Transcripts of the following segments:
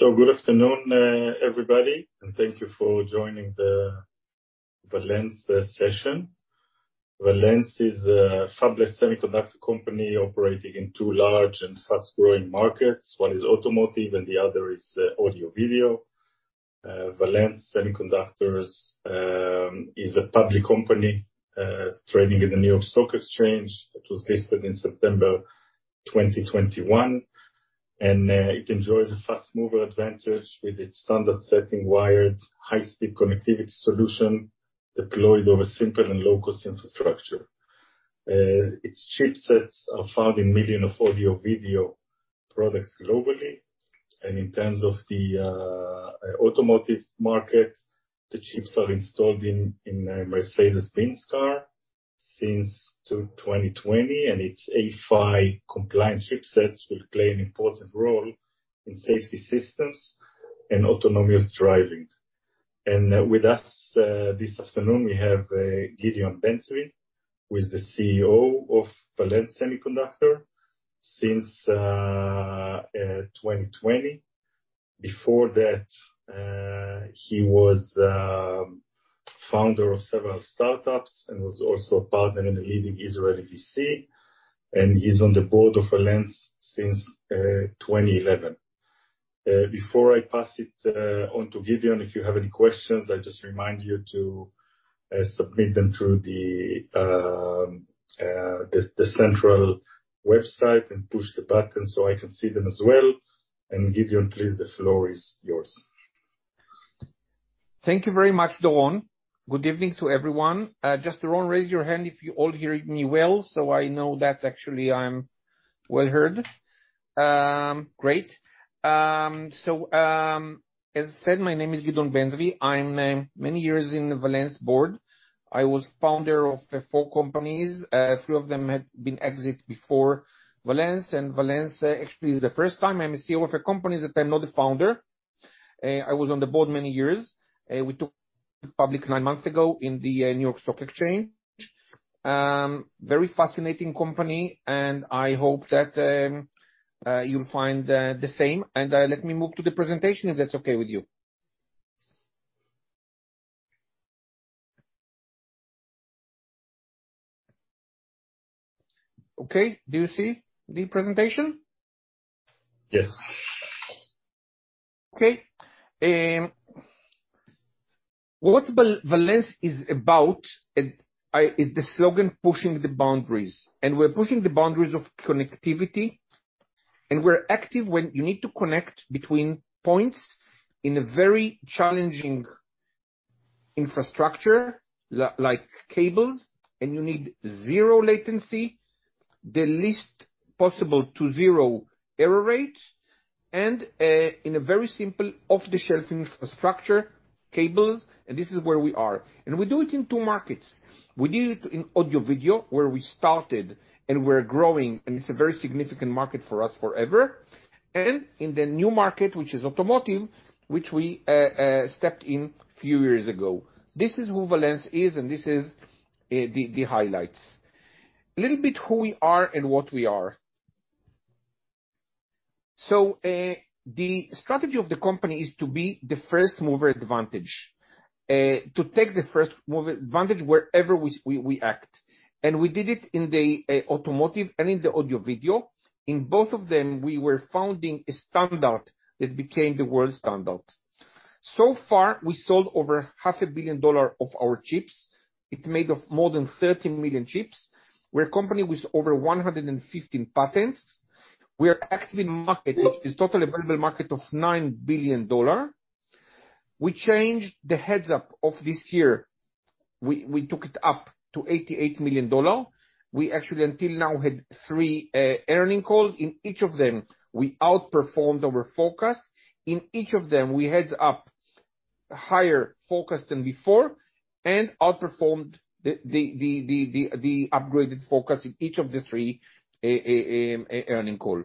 Good afternoon, everybody, and thank you for joining the Valens session. Valens Semiconductor is a fabless semiconductor company operating in two large and fast growing markets. One is automotive and the other is audio-video. Valens Semiconductor is a public company trading in the New York Stock Exchange. It was listed in September 2021, and it enjoys a first-mover advantage with its standard-setting wired high speed connectivity solution deployed over simple and low-cost infrastructure. Its chipsets are found in millions of audio-video products globally. In terms of the automotive market, the chips are installed in Mercedes-Benz cars since 2020, and its ASIL compliance chipsets will play an important role in safety systems and autonomous driving. With us this afternoon, we have Gideon Ben-Zvi, who is the CEO of Valens Semiconductor since 2020. Before that, he was founder of several startups and was also a partner in a leading Israeli VC, and he's on the board of Valens since 2011. Before I pass it on to Gideon, if you have any questions, I just remind you to submit them through the central website and push the button so I can see them as well. Gideon, please, the floor is yours. Thank you very much, Doron. Good evening to everyone. Just, Doron, raise your hand if you all hear me well, so I know that actually I'm well heard. Great. So, as said, my name is Gideon Ben-Zvi. I'm many years in Valens board. I was founder of four companies. Three of them had been exited before Valens. Valens actually is the first time I'm a CEO of a company that I'm not a Founder. I was on the board many years. We took public nine months ago in the New York Stock Exchange. Very fascinating company, and I hope that you'll find the same. Let me move to the presentation, if that's okay with you. Okay. Do you see the presentation? Yes. Okay. What Valens is about is the slogan, pushing the boundaries. We're pushing the boundaries of connectivity, and we're active when you need to connect between points in a very challenging infrastructure, like cables, and you need zero latency, the least possible to zero error rate, and in a very simple off-the-shelf infrastructure cables, and this is where we are. We do it in two markets. We did it in audio-video, where we started, and we're growing, and it's a very significant market for us forever. In the new market, which is automotive, which we stepped in few years ago. This is who Valens is, and this is the highlights. Little bit who we are and what we are. The strategy of the company is to be the first mover advantage. To take the first mover advantage wherever we act. We did it in the automotive and in the audio video. In both of them, we were founding a standard that became the world standard. So far, we sold over half a billion dollars of our chips. It's made of more than 13 million chips. We're a company with over 115 patents. We are actively marketing this total addressable market of $9 billion. We changed the guidance this year. We took it up to $88 million. We actually, until now, had three earnings calls. In each of them, we outperformed our forecast. In each of them, we raised higher forecast than before and outperformed the upgraded forecast in each of the three earnings calls.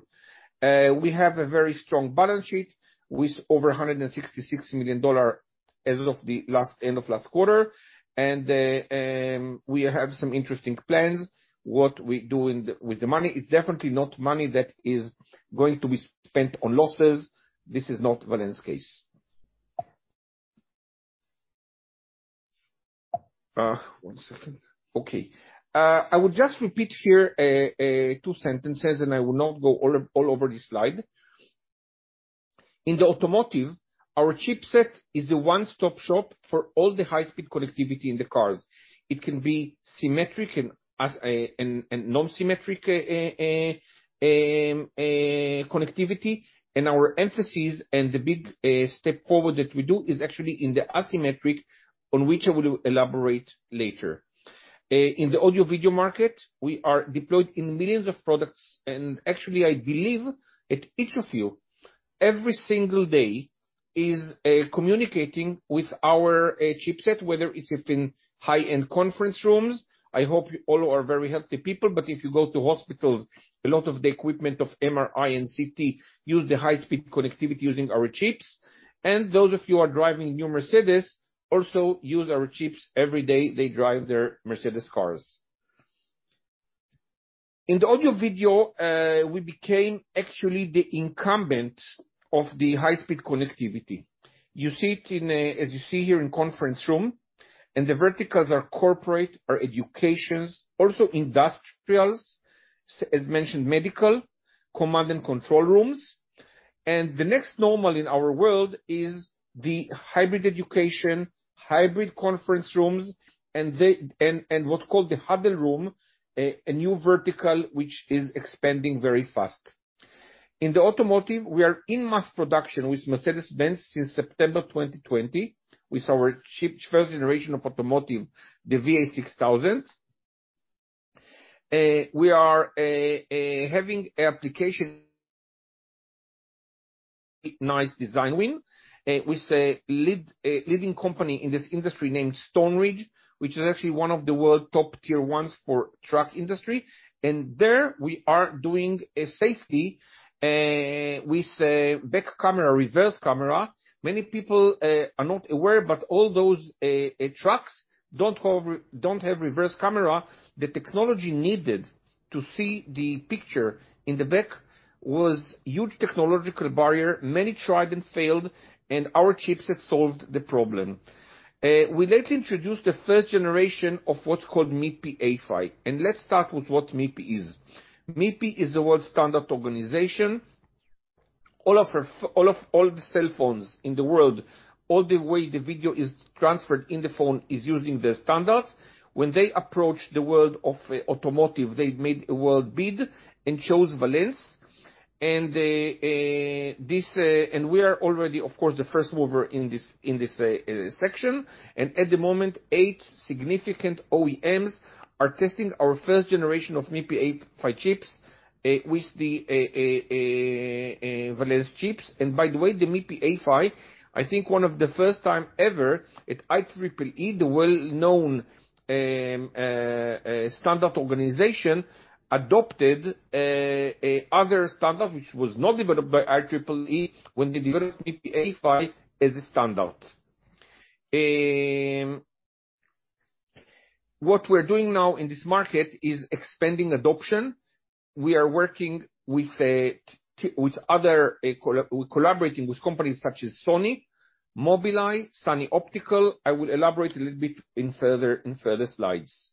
We have a very strong balance sheet with over $166 million as of the end of last quarter. We have some interesting plans. What we do with the money is definitely not money that is going to be spent on losses. This is not Valens case. I will just repeat here two sentences, and I will not go all over this slide. In the automotive, our chipset is a one-stop shop for all the high speed connectivity in the cars. It can be symmetric and asymmetric connectivity. Our emphasis and the big step forward that we do is actually in the asymmetric, on which I will elaborate later. In the audio video market, we are deployed in millions of products. Actually, I believe that each of you, every single day, is communicating with our chipset, whether it's in high-end conference rooms. I hope you all are very healthy people, but if you go to hospitals, a lot of the equipment of MRI and CT use the high-speed connectivity using our chips. Those of you are driving new Mercedes also use our chips every day they drive their Mercedes cars. In the audio video, we became actually the incumbent of the high speed connectivity. You see it as you see here in conference room, and the verticals are corporate or education, also industrial, as mentioned, medical, command and control rooms. The next normal in our world is the hybrid education, hybrid conference rooms and what's called the huddle room, a new vertical which is expanding very fast. In the automotive, we are in mass production with Mercedes-Benz since September 2020 with our chip, first generation of automotive, the VA6000. We are having a design win with a leading company in this industry named Stoneridge, which is actually one of the world top tier ones for truck industry. There we are doing a safety with a back camera, reverse camera. Many people are not aware, but all those trucks don't have reverse camera. The technology needed to see the picture in the back was a huge technological barrier. Many tried and failed, and our chipsets solved the problem. We later introduced the first generation of what's called MIPI A-PHY. Let's start with what MIPI is. MIPI is a world standard organization. All the cell phones in the world, all the way the video is transferred in the phone is using their standards. When they approach the world of automotive, they made a world bid and chose Valens. We are already of course the first mover in this section. At the moment, eight significant OEMs are testing our first generation of MIPI A-PHY chips with the Valens chips. By the way, the MIPI A-PHY, I think one of the first time ever at IEEE, the well-known standard organization, adopted another standard which was not developed by IEEE when they developed MIPI A-PHY as a standard. What we're doing now in this market is expanding adoption. We're collaborating with companies such as Sony, Mobileye, Sunny Optical. I will elaborate a little bit in further slides.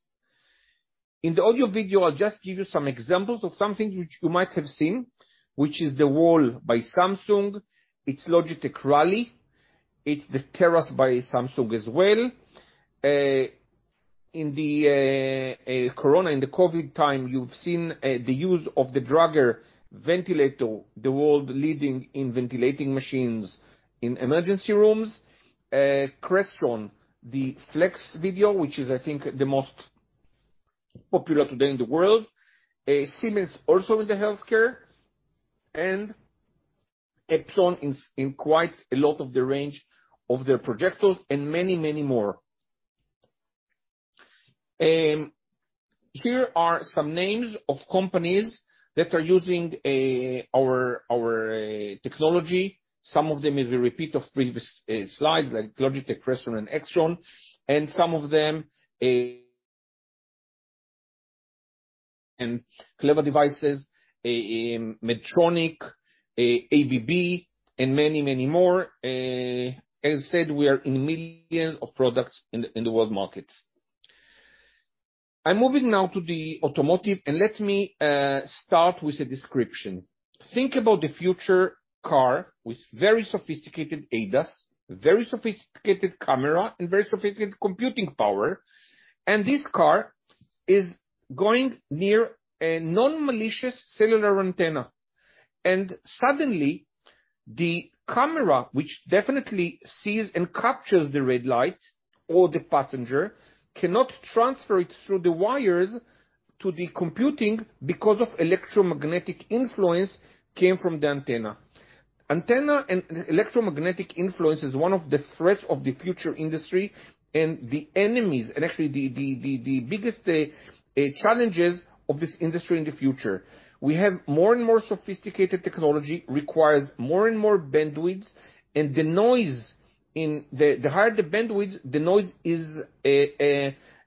In the audio video, I'll just give you some examples of something which you might have seen, which is The Wall by Samsung. It's Logitech Rally. It's The Terrace by Samsung as well. In the COVID time, you've seen the use of the Dräger ventilator, the world-leading in ventilating machines in emergency rooms. Crestron, the flex video, which is I think the most popular today in the world. Siemens also in the healthcare and Epson in quite a lot of the range of their projectors and many, many more. Here are some names of companies that are using our technology. Some of them is a repeat of previous slides like Logitech, Crestron, and Extron. Some of them and Clever Devices, Medtronic, ABB, and many, many more. As I said, we are in millions of products in the world markets. I'm moving now to the automotive, and let me start with a description. Think about the future car with very sophisticated ADAS, very sophisticated camera, and very sophisticated computing power. This car is going near a non-malicious cellular antenna. Suddenly, the camera, which definitely sees and captures the red light or the passenger, cannot transfer it through the wires to the computing because of electromagnetic influence came from the antenna. Antenna and electromagnetic influence is one of the threats of the future industry and the enemies and actually the biggest challenges of this industry in the future. We have more and more sophisticated technology, requires more and more bandwidth. The noise in the higher the bandwidth, the noise is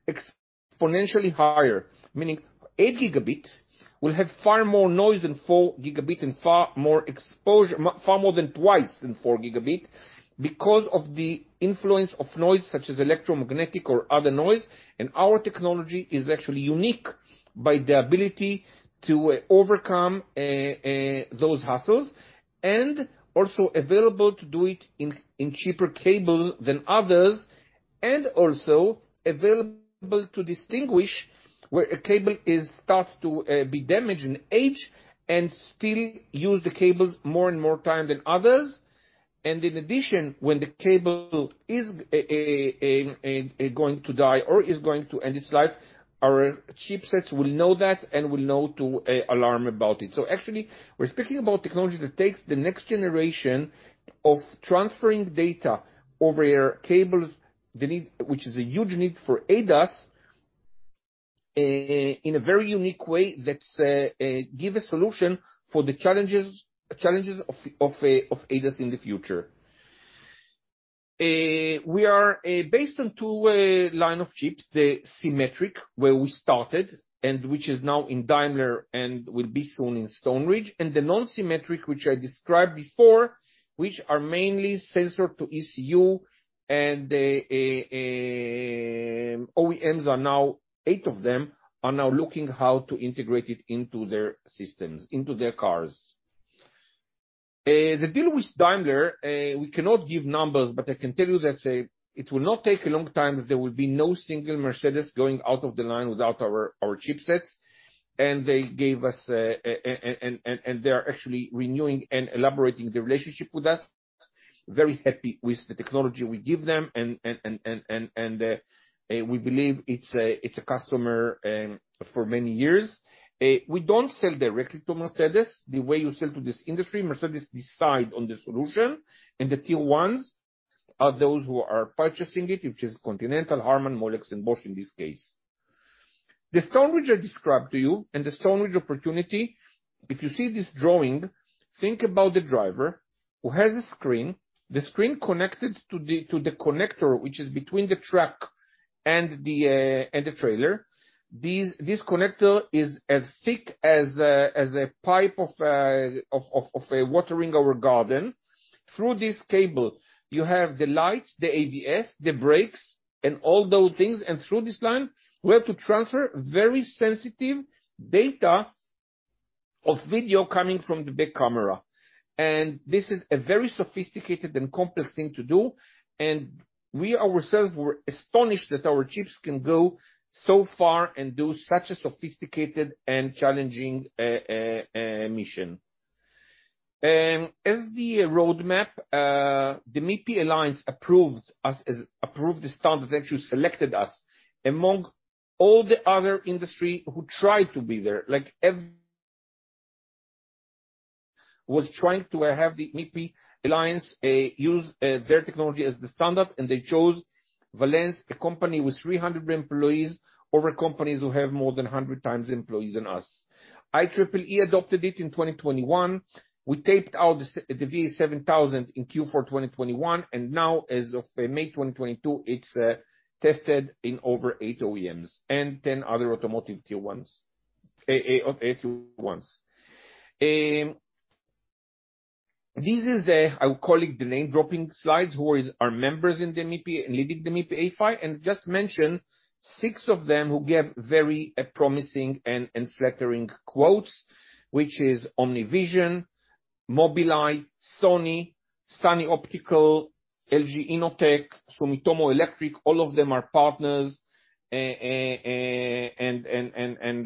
exponentially higher. Meaning 8 Gb will have far more noise than 4 Gb and far more exposure, much more than twice than 4 Gb because of the influence of noise such as electromagnetic or other noise. Our technology is actually unique by the ability to overcome those hassles, and also available to do it in cheaper cable than others, and also available to distinguish where a cable starts to be damaged and age and still use the cables more and more time than others. In addition, when the cable is going to die or is going to end its life, our chipsets will know that and will know to alarm about it. Actually, we're speaking about technology that takes the next generation of transferring data over your cables, the need, which is a huge need for ADAS, in a very unique way that give a solution for the challenges of ADAS in the future. We are based on two-way line of chips, the symmetric where we started and which is now in Daimler and will be soon in Stoneridge. The non-symmetric, which I described before, which are mainly sensor to ECU and OEMs are now, eight of them, are now looking how to integrate it into their systems, into their cars. The deal with Daimler, we cannot give numbers, but I can tell you that, it will not take a long time, there will be no single Mercedes going out of the line without our chipsets. They gave us, and we believe it's a customer for many years. We don't sell directly to Mercedes. The way you sell to this industry, Mercedes decide on the solution and the tier ones are those who are purchasing it, which is Continental, Harman, Molex and Bosch in this case. The Stoneridge I described to you and the Stoneridge opportunity, if you see this drawing, think about the driver who has a screen. The screen connected to the connector which is between the truck and the trailer. This connector is as thick as a pipe of watering our garden. Through this cable, you have the lights, the ABS, the brakes and all those things, and through this line, we have to transfer very sensitive data of video coming from the back camera. This is a very sophisticated and complex thing to do. We ourselves were astonished that our chips can go so far and do such a sophisticated and challenging mission. As the roadmap, the MIPI Alliance approved the standard, actually selected us among all the other industry who tried to be there. Was trying to have the MIPI Alliance use their technology as the standard, and they chose Valens, a company with 300 employees, over companies who have more than 100 times employees than us. IEEE adopted it in 2021. We taped out the V7000 in Q4 2021, and now as of May 2022, it's tested in over eight OEMs and 10 other automotive tier ones. This is, I'll call it the name dropping slides. Who are members in the MIPI, leading the MIPI A-PHY, and just mention six of them who gave very promising and flattering quotes, which is OmniVision, Mobileye, Sony, Sunny Optical, LG Innotek, Sumitomo Electric. All of them are partners and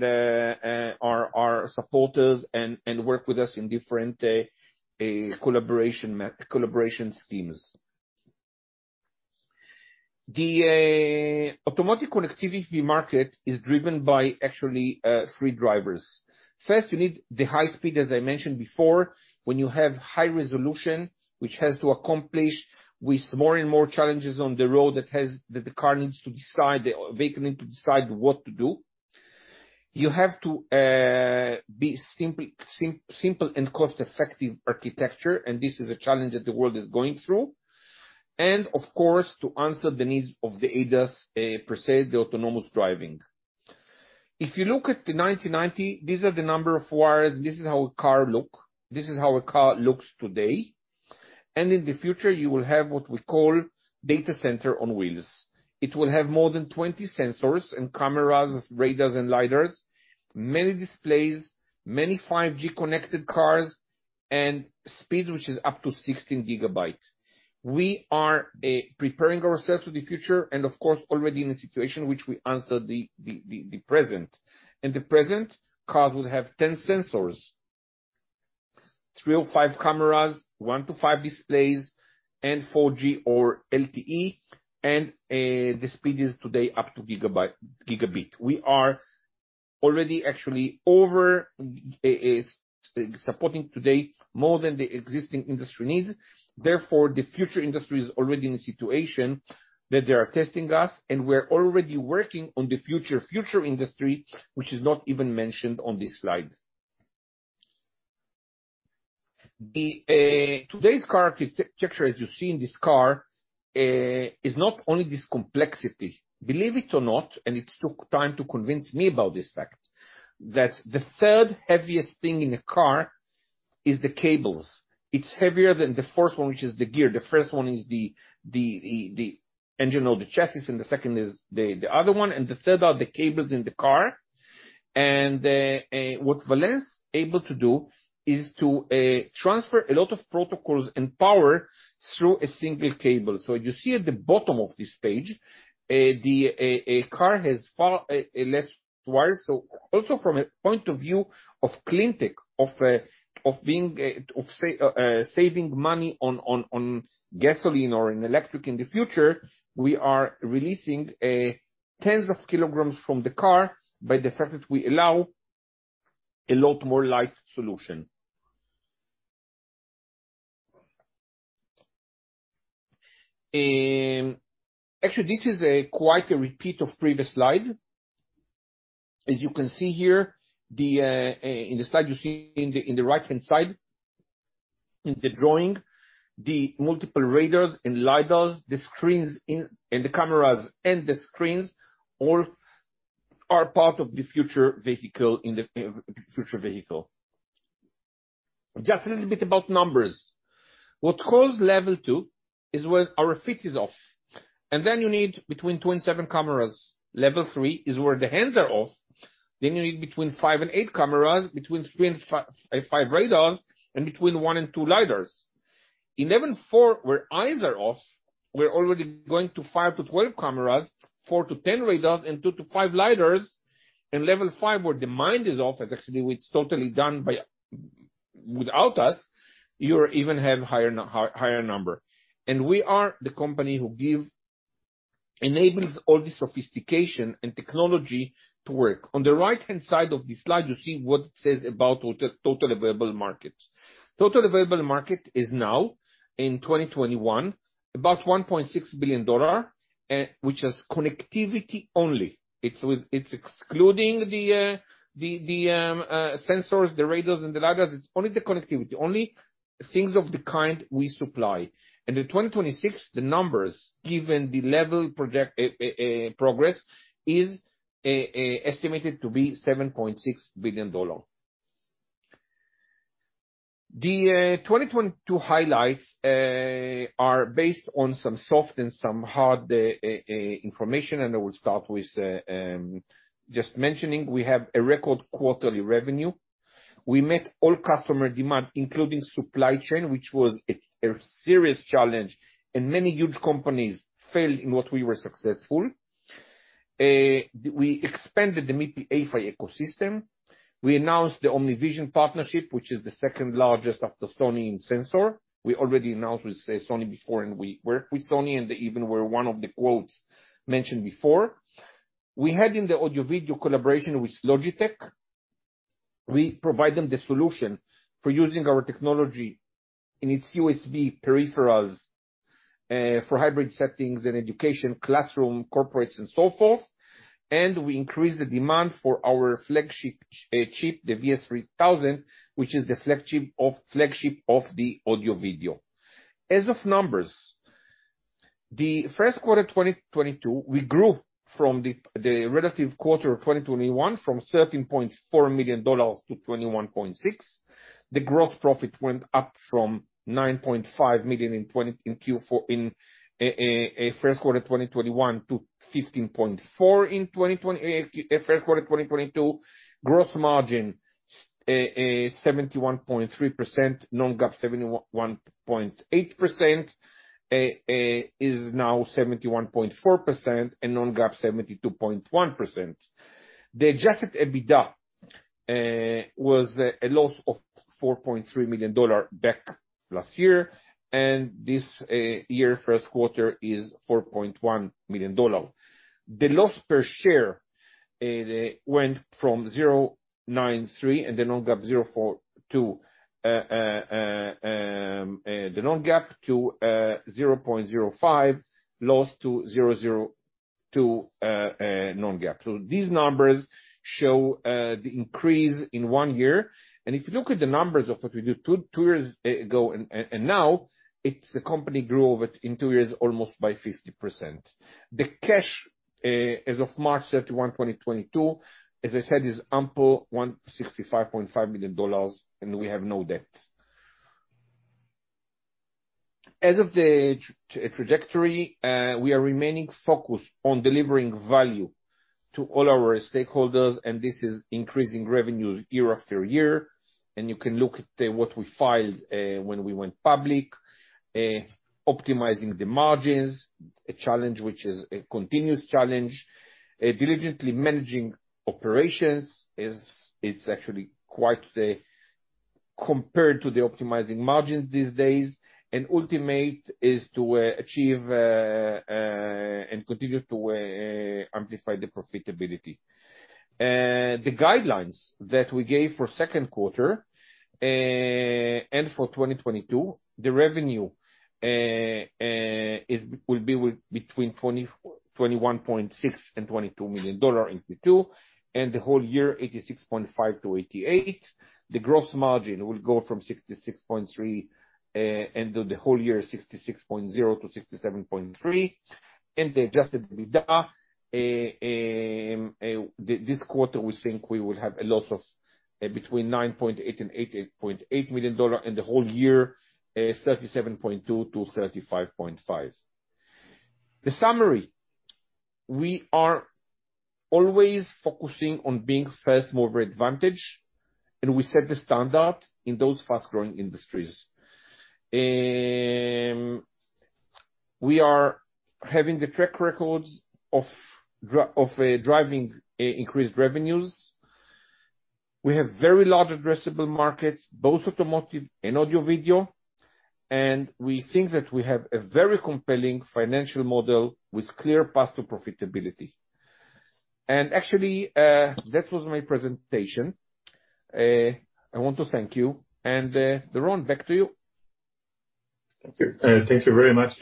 are supporters and work with us in different collaboration schemes. The automotive connectivity market is driven by actually three drivers. First, you need the high speed, as I mentioned before, when you have high resolution, which has to accomplish with more and more challenges on the road that the car needs to decide, the vehicle need to decide what to do. You have to be simple and cost-effective architecture, and this is a challenge that the world is going through. Of course, to answer the needs of the ADAS per se, the autonomous driving. If you look at 1990, these are the number of wires. This is how a car look. This is how a car looks today. In the future, you will have what we call data center on wheels. It will have more than 20 sensors and cameras, radars and lidars, many displays, many 5G connected cars and speed, which is up to 16 gigabytes. We are preparing ourselves for the future and of course already in a situation which we answer the present. In the present, cars will have 10 sensors, three or five cameras, one to five displays and 4G or LTE. The speed is today up to gigabit. We are already actually over supporting today more than the existing industry needs. Therefore, the future industry is already in a situation that they are testing us and we're already working on the future industry, which is not even mentioned on this slide. Today's car architecture as you see in this car is not only this complexity. Believe it or not, it took time to convince me about this fact, that the third heaviest thing in a car is the cables. It's heavier than the first one, which is the gear. The first one is the engine or the chassis, and the second is the other one, and the third are the cables in the car. What Valens able to do is to transfer a lot of protocols and power through a single cable. You see at the bottom of this page, the car has far less wires. Also from a point of view of clean tech, of being, of saving money on gasoline or electric in the future, we are releasing tens of kilograms from the car by the fact that we allow a lot more lightweight solution. Actually this is quite a repeat of previous slide. As you can see here, in the right-hand side, in the drawing, the multiple radars and lidars, the screens and the cameras and the screens all are part of the future vehicle. Just a little bit about numbers. Level two is when our feet is off, and then you need between two and seven cameras. Level three is where the hands are off, then you need between five and eight cameras, between three and five radars, and between one and two lidars. In level four, where eyes are off, we're already going to five to 12 cameras, four to 10 radars, and two to five lidars. In level five, where the mind is off, that's actually it's totally done by, without us, you even have higher number. We are the company who enables all this sophistication and technology to work. On the right-hand side of the slide, you see what it says about total available markets. Total available market is now, in 2021, about $1.6 billion, which is connectivity only. It's excluding the sensors, the radars and the lidars. It's only the connectivity, only things of the kind we supply. In 2026, the numbers, given the level project progress, is estimated to be $7.6 billion. The 2022 highlights are based on some soft and some hard information, and I will start with just mentioning we have a record quarterly revenue. We met all customer demand, including supply chain, which was a serious challenge, and many huge companies failed in what we were successful. We expanded the AV ecosystem. We announced the OmniVision partnership, which is the second largest after Sony in sensor. We already announced with, say, Sony before, and we work with Sony, and they even were one of the quotes mentioned before. We had the audio/video collaboration with Logitech. We provide them the solution for using our technology in its USB peripherals, for hybrid settings and education, classroom, corporates and so forth. We increased the demand for our flagship chip, the VS3000, which is the flagship of the audio/video. As for numbers, first quarter 2022, we grew from the relative quarter of 2021 from $13.4 million to $21.6 million. The gross profit went up from $9.5 million in first quarter 2021 to $15.4 million in first quarter 2022. Gross margin 71.3%, non-GAAP 71.8%, is now 71.4% and non-GAAP 72.1%. The adjusted EBITDA was a loss of $4.3 million back last year, and this year first quarter is $4.1 million. The loss per share went from 0.93 and the non-GAAP 0.04 to the non-GAAP to 0.05, loss to 0.02 non-GAAP. These numbers show the increase in one year. If you look at the numbers of what we did two years ago and now, it's the company grew over in two years almost by 50%. The cash as of March 31, 2022, as I said, is ample, $165.5 million, and we have no debt. As of the trajectory, we are remaining focused on delivering value to all our stakeholders, and this is increasing revenue year after year. You can look at what we filed when we went public. Optimizing the margins, a challenge which is a continuous challenge. Diligently managing operations is it's actually quite compared to the optimizing margins these days. Ultimately is to achieve and continue to amplify the profitability. The guidelines that we gave for second quarter and for 2022, the revenue will be between $21.6 million and $22 million in Q2, and the whole year, $86.5 million-$88 million. The gross margin will go from 66.3%, and the whole year, 66.0%-67.3%. The adjusted EBITDA this quarter, we think we will have a loss of between $9.8 million and $8.8 million, and the whole year, $37.2 million-$35.5 million. The summary. We are always focusing on being first mover advantage, and we set the standard in those fast-growing industries. We are having the track records of driving increased revenues. We have very large addressable markets, both automotive and audio/video. We think that we have a very compelling financial model with clear path to profitability. Actually, that was my presentation. I want to thank you. Doron, back to you. Thank you. Thank you very much,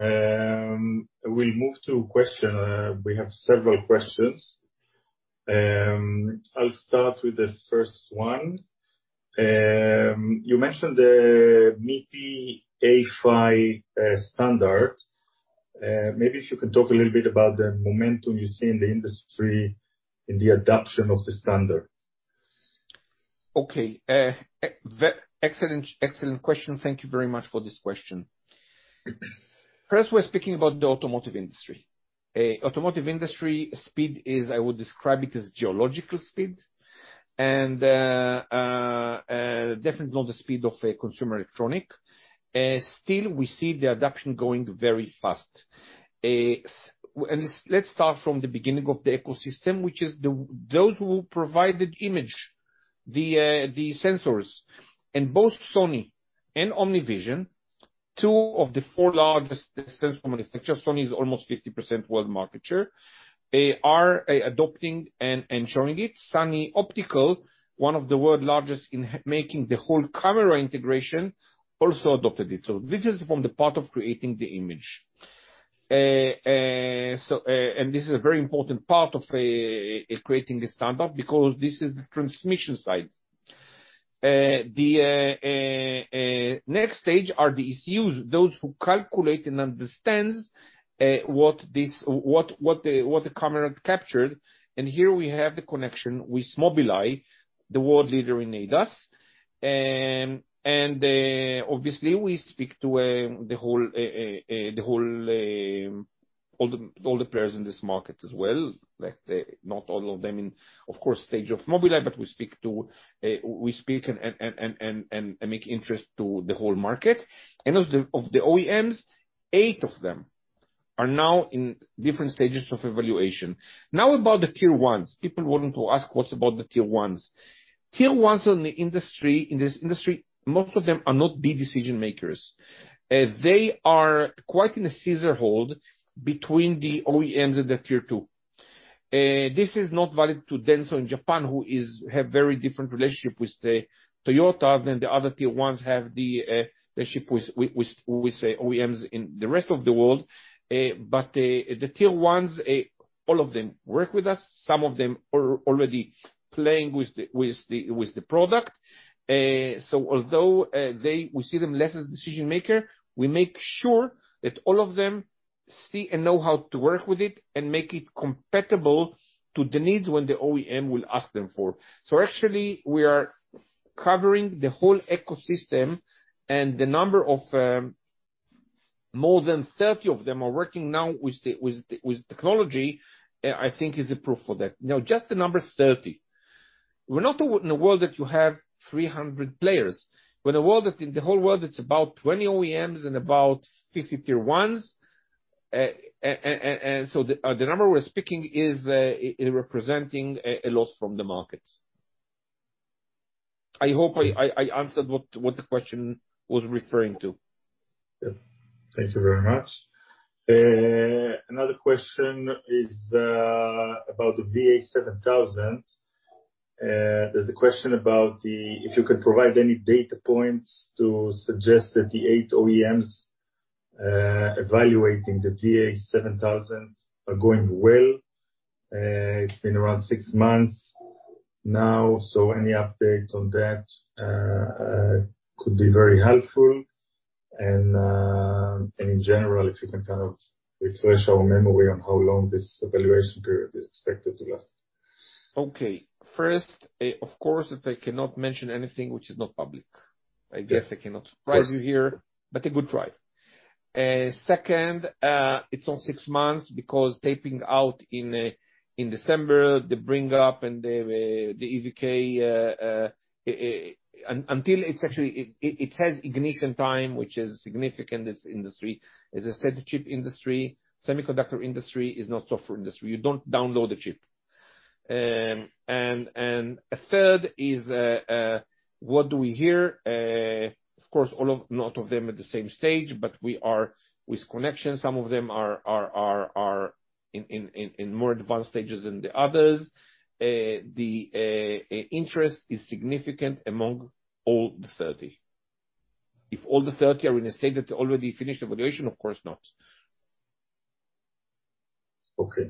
Gideon. We'll move to question. We have several questions. I'll start with the first one. You mentioned the MIPI A-PHY standard. Maybe if you could talk a little bit about the momentum you see in the industry in the adoption of the standard. Excellent question. Thank you very much for this question. First, we're speaking about the automotive industry. Automotive industry speed is, I would describe it, as geological speed and definitely not the speed of a consumer electronic. Still, we see the adoption going very fast. Let's start from the beginning of the ecosystem, which is those who provide the image, the sensors. Both Sony and OmniVision, two of the four largest sensor manufacturers, Sony is almost 50% world market share, they are adopting and showing it. Sunny Optical, one of the world's largest in making the whole camera integration, also adopted it. This is from the part of creating the image. This is a very important part of creating the standard because this is the transmission side. The next stage are the ECUs, those who calculate and understands what the camera captured, and here we have the connection with Mobileye, the world leader in ADAS. Obviously we speak to all the players in this market as well. Like not all of them in, of course, stage of Mobileye, but we speak and make interest to the whole market. Of the OEMs, eight of them are now in different stages of evaluation. Now, about the tier ones. People wanting to ask what about the tier ones. Tier ones in the industry, in this industry, most of them are not the decision makers. They are quite in a scissor hold between the OEMs and the tier two. This is not valid to Denso in Japan, who have very different relationship with the Toyota than the other tier ones have the relationship with OEMs in the rest of the world. The tier ones, all of them work with us. Some of them are already playing with the product. Although we see them less as decision maker, we make sure that all of them see and know how to work with it and make it compatible to the needs when the OEM will ask them for. Actually, we are covering the whole ecosystem and the number of more than 30 of them are working now with the technology. I think is a proof for that. Now, just the number 30. We're in a world that in the whole world, it's about 20 OEMs and about 50 tier ones. And so the number we're speaking is representing a lot from the markets. I hope I answered what the question was referring to. Yeah. Thank you very much. Another question is about the VA7000. There's a question if you could provide any data points to suggest that the eight OEMs evaluating the VA7000 are going well. It's been around six months now, so any update on that could be very helpful. In general, if you can kind of refresh our memory on how long this evaluation period is expected to last. Okay. First, of course, if I cannot mention anything which is not public. Yeah. I guess I cannot surprise you here. Of course. A good try. Second, it's on six months because tape out in December, the bring-up and the EVK until it's actually. It has integration time, which is significant in this industry. As I said, the chip industry, semiconductor industry is not software industry. You don't download a chip. And a third is, what do we hear? Of course, not all of them at the same stage, but we have connections. Some of them are in more advanced stages than the others. The interest is significant among all 30. If all 30 are in a state that they already finished evaluation, of course not. Okay.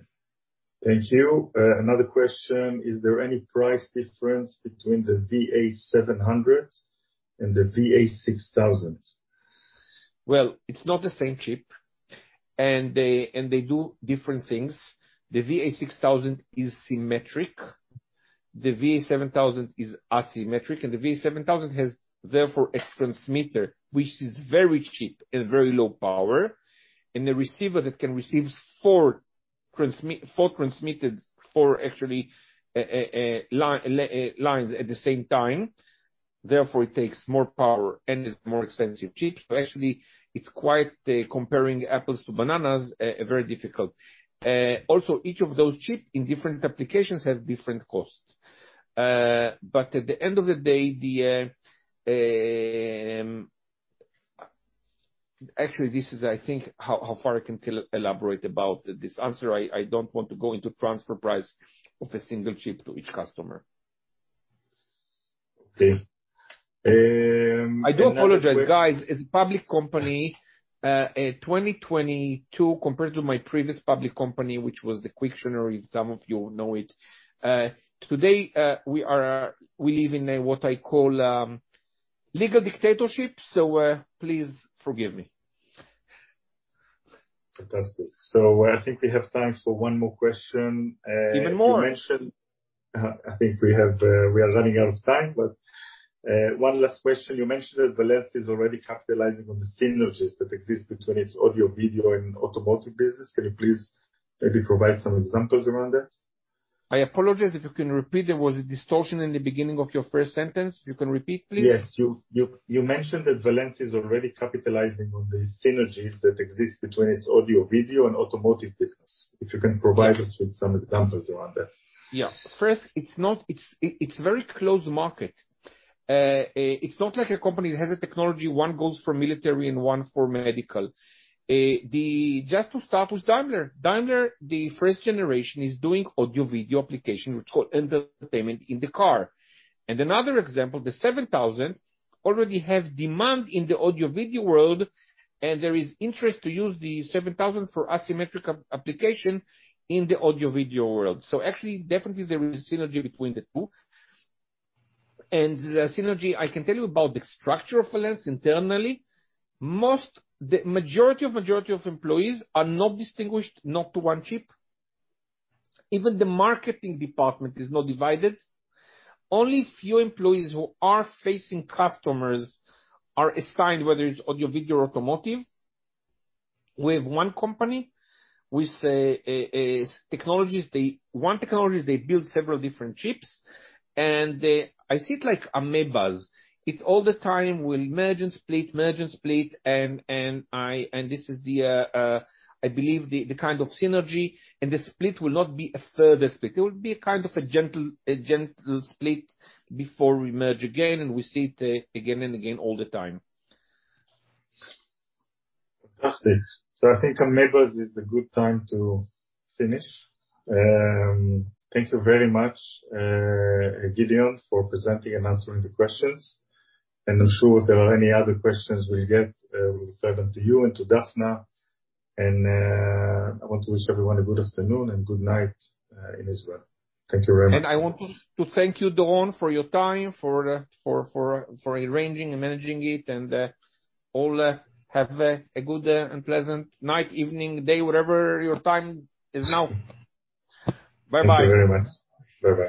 Thank you. Another question, is there any price difference between the VA7000 and the VA6000? Well, it's not the same chip, and they do different things. The VA6000 is symmetric, the VA7000 is asymmetric, and the VA7000 has therefore a transmitter, which is very cheap and very low power, and a receiver that can receive four lanes at the same time. Therefore, it takes more power and is more expensive chip. Actually it's quite comparing apples to bananas, very difficult. Also each of those chip in different applications have different costs. At the end of the day, actually, this is I think how far I can elaborate about this answer. I don't want to go into transfer price of a single chip to each customer. Okay. I do apologize, guys. As a public company, 2022 compared to my previous public company, which was the Quicktionary, some of you know it. Today, we live in a what I call legal dictatorship, so please forgive me. Fantastic. I think we have time for one more question. Even more. You mentioned, I think we have, we are running out of time, but, one last question. You mentioned that Valens is already capitalizing on the synergies that exist between its audio, video and automotive business. Can you please maybe provide some examples around that? I apologize. Can you repeat? There was a distortion in the beginning of your first sentence. Can you repeat, please? Yes. You mentioned that Valens is already capitalizing on the synergies that exist between its audio video and automotive business. If you can provide us with some examples around that. Yeah. First, it's not like a company that has a technology, one goes for military and one for medical. Just to start with Daimler. Daimler, the first generation is doing audio video application, which called entertainment in the car. Another example, the seven thousand already have demand in the audio video world, and there is interest to use the seven thousand for asymmetric application in the audio video world. Actually, definitely there is synergy between the two. The synergy, I can tell you about the structure of Valens internally. The majority of employees are not distinguished to one chip. Even the marketing department is not divided. Only few employees who are facing customers are assigned, whether it's audio video or automotive. We have one company with technologies. One technology. They build several different chips, and they. I see it like amoebas. It all the time will merge and split, merge and split, and this is, I believe, the kind of synergy. The split will not be a further split. It will be a kind of a gentle split before we merge again, and we see it again and again all the time. Fantastic. I think now is a good time to finish. Thank you very much, Gideon, for presenting and answering the questions. I'm sure if there are any other questions we'll get, we'll refer them to you and to Dafna. I want to wish everyone a good afternoon and good night in Israel. Thank you very much. I want to thank you, Doron, for your time. For arranging and managing it. Have a good and pleasant night, evening, day, whatever your time is now. Bye-bye. Thank you very much. Bye-bye.